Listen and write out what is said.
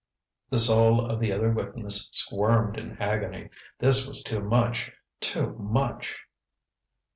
The soul of the other witness squirmed in agony. This was too much too much!